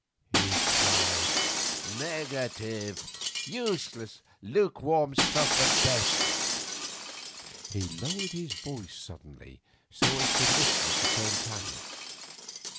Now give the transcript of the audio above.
he cried, 'negative, useless, lukewarm stuff at best.' He lowered his voice suddenly, so as to listen at the same time.